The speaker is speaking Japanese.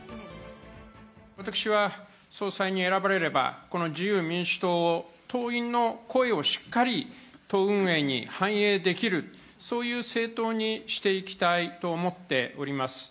私は総裁に選ばれれば、この自由民主党、党員の声をしっかり党運営に反映できる、そういう政党にしていきたいと思っております。